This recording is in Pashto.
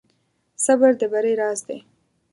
صبر د بری راز دی.